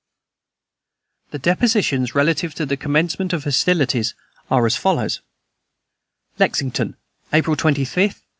_" The depositions relative to the commencement of hostilities are as follows: "LEXINGTON, April 25, 1775.